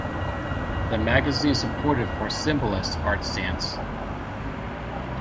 The magazine supported for symbolist art stance.